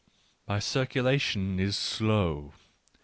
My circulation is slow.